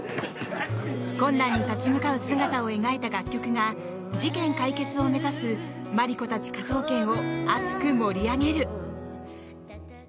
困難に立ち向かう姿を描いた楽曲が事件解決を目指すマリコたち科捜研を熱く盛り上げる！